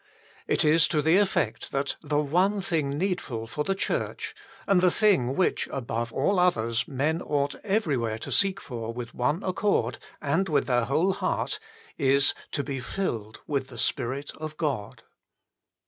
It is to the effect that the one thing needful for the Church, and the thing which, above all others, men ought everywhere to seek for with one accord and with their whole heart, is to be filled with the Spirit of God.